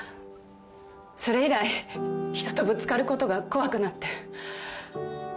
それ以来人とぶつかることが怖くなって。